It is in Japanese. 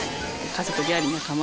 家族であり仲間。